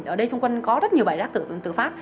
ở đây xung quanh có rất nhiều bãi rác tự phát